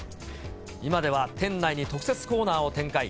今では店内に特設コーナーを展開。